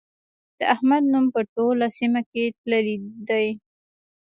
د احمد نوم په ټوله سيمه کې تللی دی.